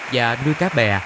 và nuôi cá bè